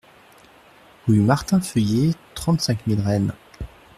Rue Martin Feuillée, trente-cinq mille Rennes